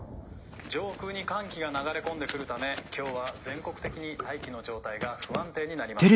上空に寒気が流れ込んでくるため今日は全国的に大気の状態が不安定になります。